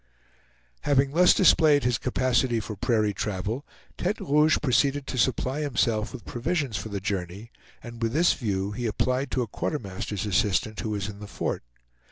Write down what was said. Having thus displayed his capacity for prairie travel, Tete Rouge proceeded to supply himself with provisions for the journey, and with this view he applied to a quartermaster's assistant who was in the fort.